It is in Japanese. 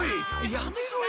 やめろよ！